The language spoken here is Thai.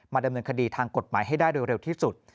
ดำเนินคดีทางกฎหมายให้ได้โดยเร็วที่สุด